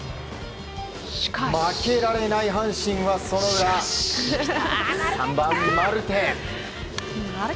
負けられない阪神はその裏３番、マルテ。